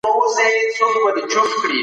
څنګه د شپې لخوا خپل ذهن د خوب لپاره چمتو کړو؟